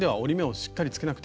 しっかりつけなくて。